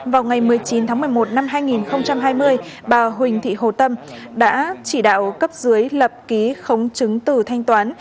vào ngày một mươi chín tháng một mươi một năm hai nghìn hai mươi bà huỳnh thị hồ tâm đã chỉ đạo cấp dưới lập ký khống chứng từ thanh toán